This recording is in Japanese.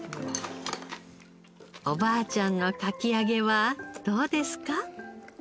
おばあちゃんのかき揚げはどうですか？